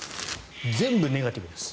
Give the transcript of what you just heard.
全部ネガティブです。